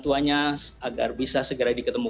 tuanya agar bisa segera diketemu